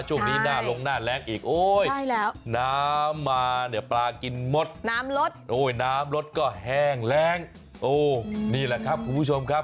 ช่วงนี้หน้าลงหน้าแรงอีกโอ้ยแล้วน้ำมาเนี่ยปลากินหมดน้ำลดโอ้ยน้ำรถก็แห้งแรงโอ้นี่แหละครับคุณผู้ชมครับ